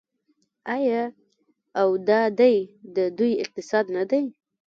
آیا او دا دی د دوی اقتصاد نه دی؟